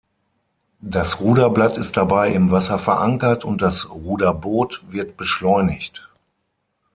Das Ruderblatt ist dabei im Wasser verankert und das Ruderboot wird beschleunigt.